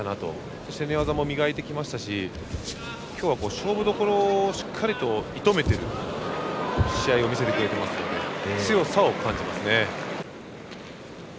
そして寝技も磨いてきましたし今日は勝負どころをしっかりと射止めている試合を見せてくれていますので強さを感じますね。